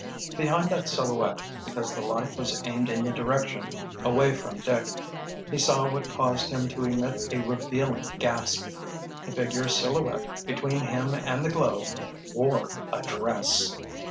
Behind that silhouette, because the light was aimed in the direction away from Dick, he saw what caused him to emit a revealing gasp. The figure silhouette between him and the glow wore a dress!